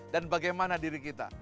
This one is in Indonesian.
dan bagaimana diri kita